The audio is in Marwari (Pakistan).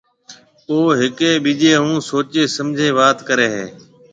او هيَڪي ٻِيجيَ هون سوچيَ سمجهيََ وات ڪريَ هيَ۔